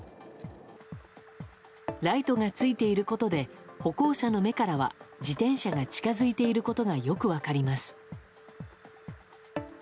ライトがついていることで歩行者の目からは自転車が近づいていることがよく分かります。